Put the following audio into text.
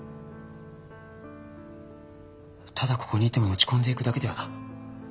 ただここにいても落ち込んでいくだけだよな。